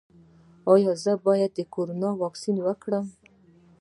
ایا زه باید د کرونا واکسین وکړم؟